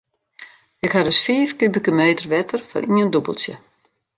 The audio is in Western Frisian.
Ik ha dus fiif kubike meter wetter foar ien dûbeltsje.